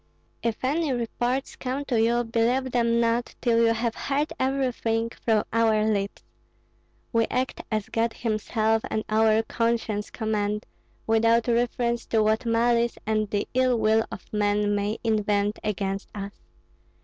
If any reports come to you, believe them not till you have heard everything from our lips. We act as God himself and our conscience command, without reference to what malice and the ill will of man may invent against us.